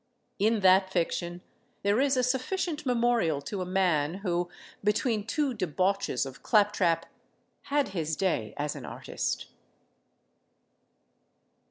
In that fiction there is a sufficient memorial to a man who, between two debauches of claptrap, had his day as an artist.